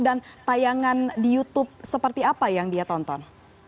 tayangan di youtube seperti apa yang dia tonton